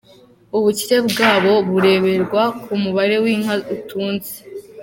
Ubukire bwabo bureberwa ku mubare w’ inka utunze.